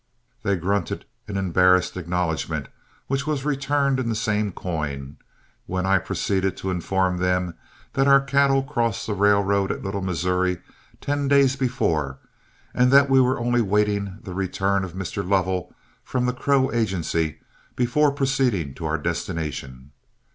They grunted an embarrassed acknowledgment, which was returned in the same coin, when I proceeded to inform them that our cattle crossed the railroad at Little Missouri ten days before, and that we were only waiting the return of Mr. Lovell from the Crow Agency before proceeding to our destination.